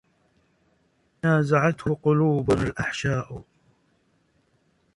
نازَعتْهُ قلوبُنا الأحشاءَ